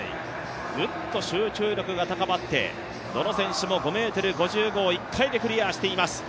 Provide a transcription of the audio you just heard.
グッと集中力が高まってどの選手も５ｍ５５を１回でクリアしています。